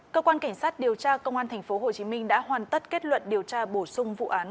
cơ quan cảnh sát điều tra công an tp hcm đã hoàn tất kết luận điều tra bổ sung vụ án